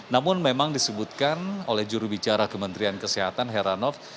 namun memang disebutkan oleh jurubicara kementerian kesehatan heranov